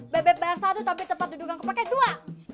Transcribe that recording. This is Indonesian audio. bebe bayar satu tapi tempat duduk yang kepake dua